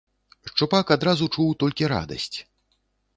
Шчупак адразу чуў толькі радасць.